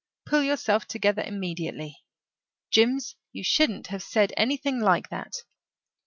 Pull yourself together immediately. Jims, you shouldn't have said anything like that."